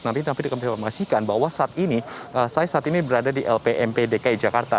nanti nanti dikempersasikan bahwa saat ini saya saat ini berada di lpmp dki jakarta